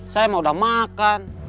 saya mau udah makan